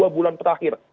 dua bulan terakhir